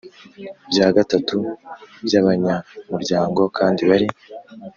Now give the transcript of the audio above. Bya gatatu by abanyamuryango kandi bari